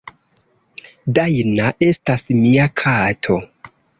"Dajna estas mia kato.